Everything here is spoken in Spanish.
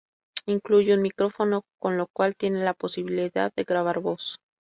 Incluye un micrófono, con lo cual tiene la posibilidad de grabar voz.